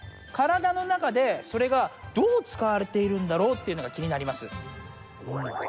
カラダのなかでそれがどうつかわれているんだろうというのがきになります。